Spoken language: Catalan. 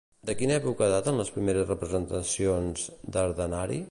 De quina època daten les primeres representacions d'Ardhanari?